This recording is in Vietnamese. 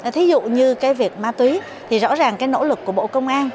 thí dụ như cái việc ma túy thì rõ ràng cái nỗ lực của bộ công an